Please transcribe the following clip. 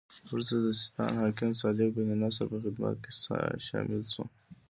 وروسته د سیستان د حاکم صالح بن نصر په خدمت کې شامل شو.